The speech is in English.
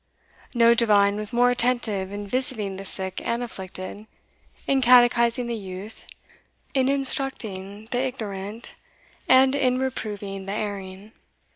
No divine was more attentive in visiting the sick and afflicted, in catechising the youth, in instructing the ignorant, and in reproving the erring.